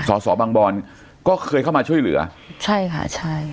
สอสอบางบอนก็เคยเข้ามาช่วยเหลือใช่ค่ะใช่